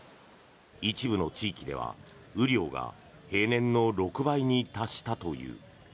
一部の地域では雨量が平年の６倍に達したという。